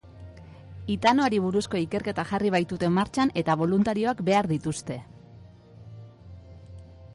Hitanoari buruzko ikerketa jarri baitute martxan, eta boluntarioak behar dituzte.